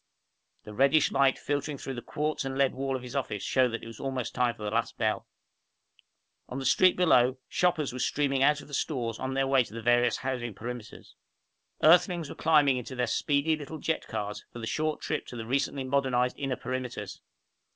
The reddish light filtering in through the quartz and lead wall of his office showed that it was almost time for the last bell. On the street below, shoppers were streaming out of the stores on their way to the various housing perimeters. Earthlings were climbing into their speedy little jet cars for the short trip to the recently modernized inner perimeters.